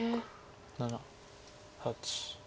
７８。